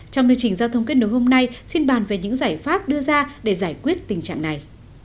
trong lưu trình giao thông kết nối hôm nay xin bàn về những giải pháp đưa ra để giải quyết tình trạng này